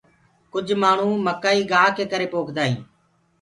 ڪُج مآڻو مڪآئي گآه ڪي ڪري پوکدآ هينٚ۔